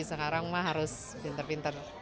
sekarang mah harus pinter pinter